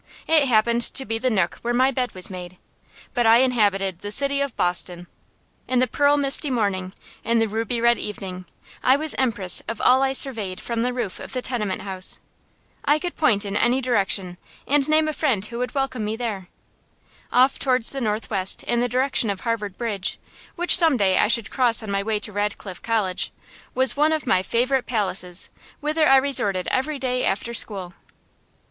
It happened to be the nook where my bed was made, but I inhabited the City of Boston. In the pearl misty morning, in the ruby red evening, I was empress of all I surveyed from the roof of the tenement house. I could point in any direction and name a friend who would welcome me there. Off towards the northwest, in the direction of Harvard Bridge, which some day I should cross on my way to Radcliffe College, was one of my favorite palaces, whither I resorted every day after school.